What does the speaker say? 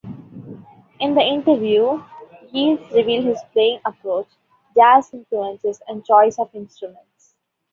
In the interview, Geils revealed his playing approach, jazz influences and choice of instruments.